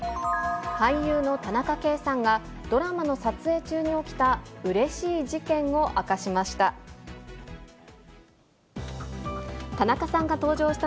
俳優の田中圭さんが、ドラマの撮影中に起きた、うれしい事件を明かしました。